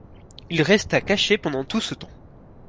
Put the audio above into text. Il resta caché pendant tout ce temps.